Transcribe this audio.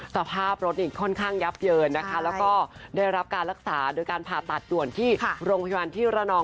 สภาพรถนี่ค่อนข้างยับเยินนะคะแล้วก็ได้รับการรักษาโดยการผ่าตัดด่วนที่โรงพยาบาลที่ระนอง